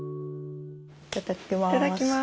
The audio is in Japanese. いただきます。